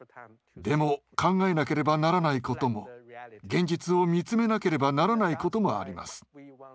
でも考えなければならないことも現実を見つめなければならないこともあります。